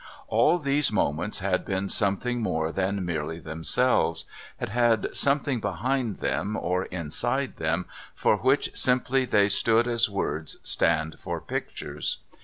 All these moments had been something more than merely themselves, had had something behind them or inside them for which simply they stood as words stand for pictures.